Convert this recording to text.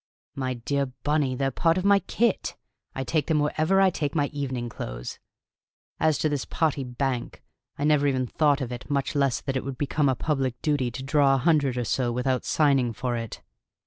"My dear Bunny, they're a part of my kit! I take them wherever I take my evening clothes. As to this potty bank, I never even thought of it, much less that it would become a public duty to draw a hundred or so without signing for it.